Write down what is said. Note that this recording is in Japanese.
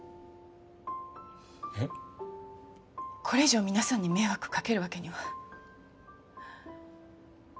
これ以上皆さんに迷惑かけるわけには。